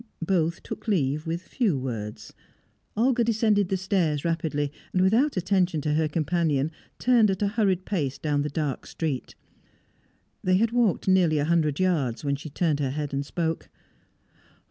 Both took leave with few words. Olga descended the stairs rapidly, and, without attention to her companion, turned at a hurried pace down the dark street. They had walked nearly a hundred yards when she turned her head and spoke.